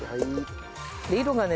色がね